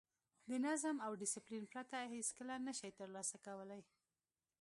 د نظم او ډیسپلین پرته هېڅکله نه شئ ترلاسه کولای.